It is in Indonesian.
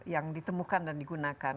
yang ditemukan dan digunakan